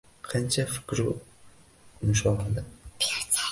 Qancha fikru mushohada.